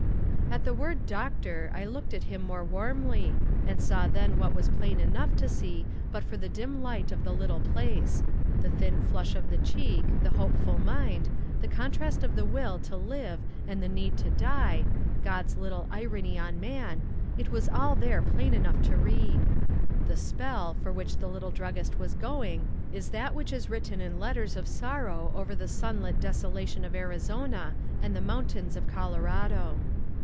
At the word "doctor" I looked at him more warmly, and I saw then what was plain enough to see but for the dim light of the little place, the thin flush on the cheek, the hopeful mind, the contrast of the will to live and the need to die, God's little irony on man, it was all there plain enough to read. The "spell" for which the little druggist was going is that which is written in letters of sorrow over the sunlit desolation of Arizona and the mountains of Colorado.